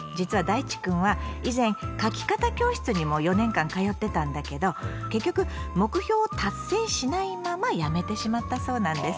いちくんは以前書き方教室にも４年間通ってたんだけど結局目標を達成しないままやめてしまったそうなんです。